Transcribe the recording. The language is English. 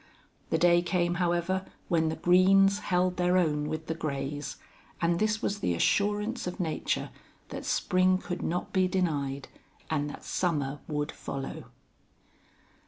The day came, however, when the greens held their own with the grays; and this was the assurance of nature that spring could not be denied, and that summer would follow.